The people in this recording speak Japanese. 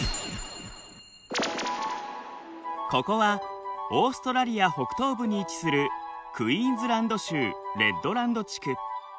ここはオーストラリア北東部に位置するクイーンズランド州レッドランド地区。